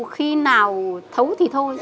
kêu khi nào thấu thì thôi